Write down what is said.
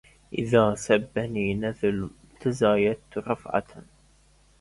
إذا سبني نذل تزايدت رفعة